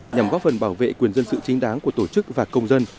nhằm góp phần bảo vệ quyền dân sự chính đáng của tổ chức và công dân